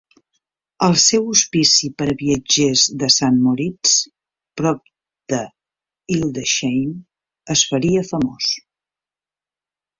El seu hospici per a viatgers de Sant Moritz, prop de Hildesheim es faria famós.